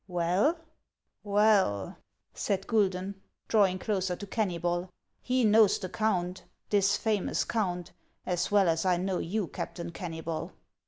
'' "Well?" " Well !" said Guidon, drawing closer to Kennybol :" he knows the count, — this famous count, as well as 1 know you, Captain Kennybol."